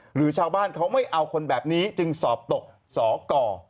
หรือชาวบ้านเขาไม่เอาคนแบบนี้จึงสอบตกสอกร